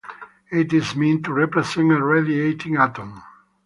It is meant to represent a radiating atom.